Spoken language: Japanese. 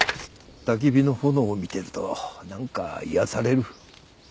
焚き火の炎を見てるとなんか癒やされる。